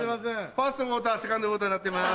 ファーストウオーターセカンドウオーターになってます。